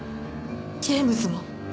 ジェームズも？